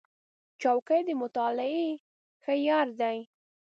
چوکۍ د مطالعې ښه یار دی.